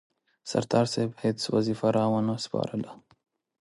سردار صاحب هیڅ وظیفه را ونه سپارله.